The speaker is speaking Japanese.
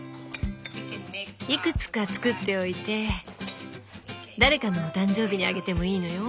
いくつか作っておいて誰かのお誕生日にあげてもいいのよ。